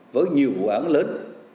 với nhiều vụ án lớn